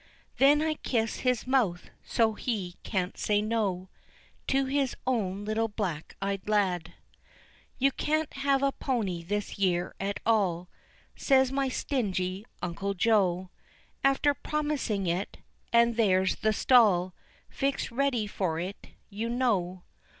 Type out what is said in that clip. Then I kiss his mouth so he can't say no, To his own little black eyed lad. "You can't have a pony this year at all," Says my stingy uncle Joe After promising it, and there's the stall Fixed ready for it, you know.